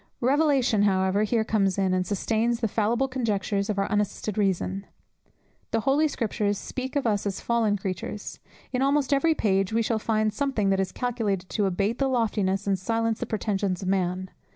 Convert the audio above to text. Revelation, however, here comes in, and sustains the fallible conjectures of our unassisted reason. The Holy Scriptures speak of us as fallen creatures: in almost every page we shall find something that is calculated to abate the loftiness and silence the pretensions of man.